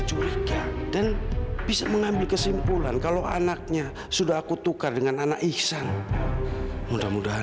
oke sekarang udah saatnya kamu tahu ya